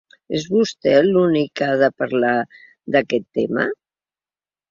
És vostè l’únic que ha de parlar d’aquest tema?